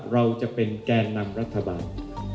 เราจะเป็นแกนนำรัฐบาล